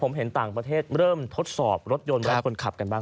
ผมเห็นต่างประเทศเริ่มทดสอบรถยนต์ไว้คนขับกันบ้าง